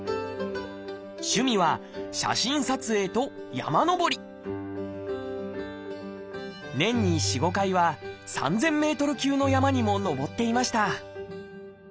趣味は写真撮影と山登り年に４５回は３，０００ｍ級の山にも登っていました